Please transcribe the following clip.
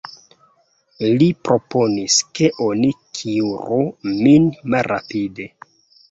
Li proponis, ke oni kuiru min malrapide.